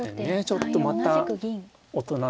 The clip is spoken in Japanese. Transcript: ちょっとまた大人の。